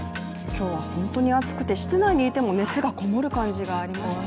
今日は本当に暑くて、室内にいても熱がこもる感じがありましたね。